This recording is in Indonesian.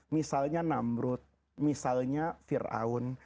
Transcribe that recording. misalnya namrud misalnya fir'aun